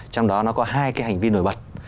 trong đó nó có hai cái hành vi nổi bật